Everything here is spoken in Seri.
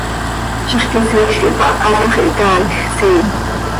Zixquisiil quih paha ta x, ihcaaij, siim.